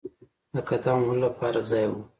د قدم وهلو لپاره ځای وو.